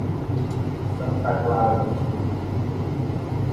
Santa Clara do Sul